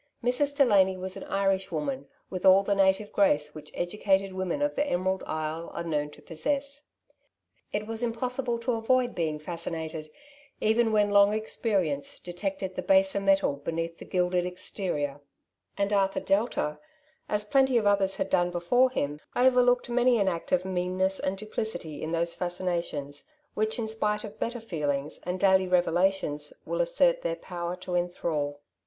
'* Mrs. Delany was an Irish wcoBSiy with all the natiTe grace which educated wrjasxm of the Emerald Is]e are known to pos&e«f . It was ixL po^rZe xo avcid being lascinaied eren wiiea I'XzZ expeTi eiiiCe dewct ed the b«iSJPT TSk^btl I 42 Two Sides to every Question!^ plenty of others had done before him, overlooked many an act of meanness and duplicity in those fascinations, which, in spite of better feelings, and daily revelations, will assert their power to enthral. .